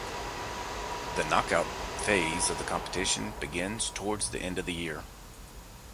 The knockout phase of the competition begins towards the end of the year.